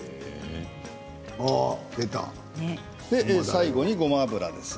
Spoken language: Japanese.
最後に、ごま油です。